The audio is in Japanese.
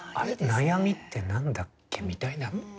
悩みって何だっけ」みたいな。